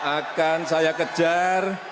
akan saya kejar